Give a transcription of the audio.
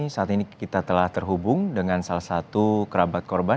saat ini kita telah terhubung dengan salah satu kerabat korban